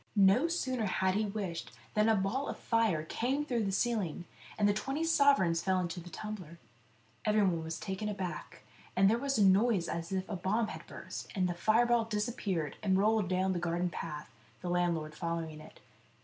No sooner had he wished than a ball of fire came through the ceiling, and the twenty sovereigns fell into the tumbler. Everyone was taken aback, and there was a noise as if a bomb had burst, and the fireball disappeared, and rolled down the garden path, the landlord following it.